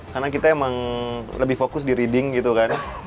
karena kita emang lebih fokus di reading gitu kan